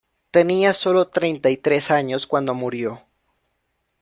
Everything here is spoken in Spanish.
Tenía sólo treinta y tres años cuando murió.